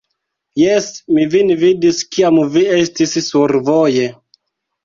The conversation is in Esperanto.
Jes, mi vin vidis kiam vi estis survoje